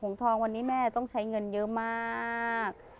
งทองวันนี้แม่ต้องใช้เงินเยอะมาก